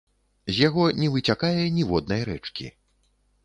З яго не выцякае ніводнай рэчкі.